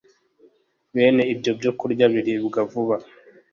Bene ibyo byokurya biribwa vuba